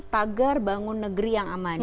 tagar bangun negeri yang aman